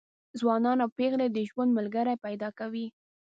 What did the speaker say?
ځوانان او پېغلې د ژوند ملګري پیدا کوي.